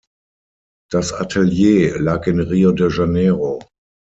Das Atelier lag in Rio de Janeiro.